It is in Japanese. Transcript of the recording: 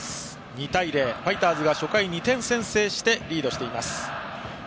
２対０、ファイターズが初回に２点先制してリードしています。